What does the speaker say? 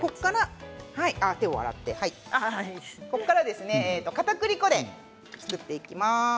ここからかたくり粉で作っていきます。